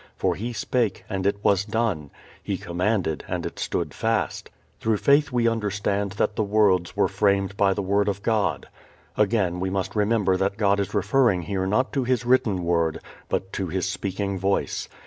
For he spake, and it was done; he commanded, and it stood fast." "Through faith we understand that the worlds were framed by the word of God." Again we must remember that God is referring here not to His written Word, but to His speaking Voice.